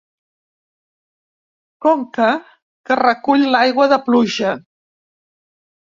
Conca que recull l'aigua de pluja.